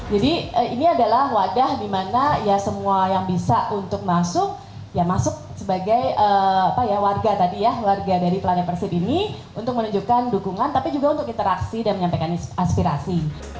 jadi ini adalah wadah dimana semua yang bisa untuk masuk masuk sebagai warga dari planet persib ini untuk menunjukkan dukungan tapi juga untuk interaksi dan menyampaikan aspirasi